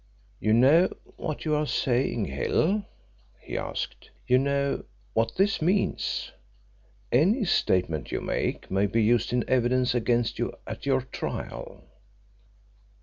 "You know what you are saying, Hill?" he asked. "You know what this means? Any statement you make may be used in evidence against you at your trial."